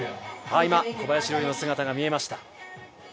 今、小林陵侑の姿が見えました。